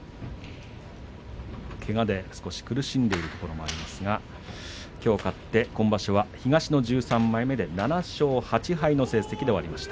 けがで少し苦しんでいるところもありますがきょう勝って今場所は東の１３枚目で７勝８敗の成績で終わりました。